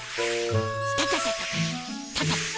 スタタタタタタ。